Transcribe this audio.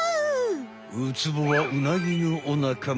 ウツボはウナギのお仲間。